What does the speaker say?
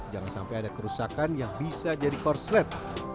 jangan sampai ada kerusakan yang bisa jadi korslet